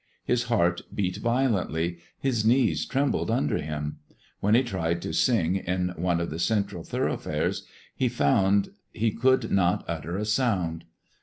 His heart beat violently; his knees trembled under him. When he tried to sing in one of the central thoroughfares, he found he could not utter a sound.